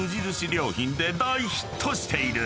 良品で大ヒットしている］